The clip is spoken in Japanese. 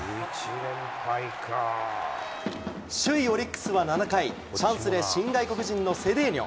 首位オリックスは７回、チャンスで新外国人のセデーニョ。